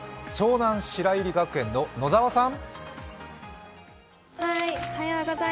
湘南白百合学園の野澤さん。